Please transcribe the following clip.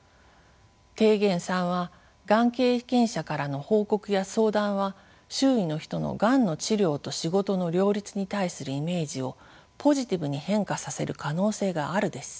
提言３はがん経験者からの報告や相談は周囲の人のがんの治療と仕事の両立に対するイメージをポジティブに変化させる可能性があるです。